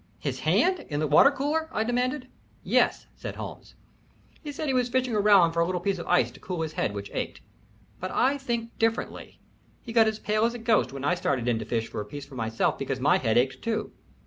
"His hand? In the water cooler?" I demanded. "Yes," said Holmes. "He said he was fishing around for a little piece of ice to cool his head, which ached, but I think differently. He got as pale as a ghost when I started in to fish for a piece for myself because my head ached too.